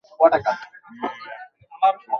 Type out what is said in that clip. না, আমি এখন কিছুই খাব না।